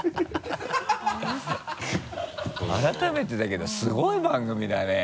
改めてだけどすごい番組だね。